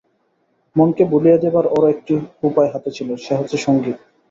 মনকে ভুলিয়ে দেবার ওর একটি উপায় হাতে ছিল, সে হচ্ছে সংগীত।